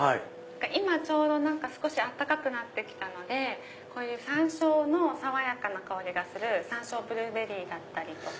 今ちょうど少し暖かくなってきたので山椒の爽やかな香りがする山椒ブルーベリーだったりとか。